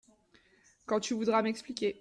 Quand tu voudras m’expliquer !…